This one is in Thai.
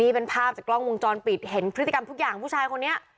เป็นภาพจากกล้องวงจรปิดเห็นพฤติกรรมทุกอย่างผู้ชายคนนี้